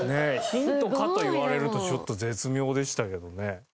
ヒントかと言われるとちょっと絶妙でしたけどね。